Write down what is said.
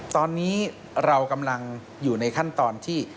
ตอนนี้เรากำลังอยู่ในขั้นตอนที่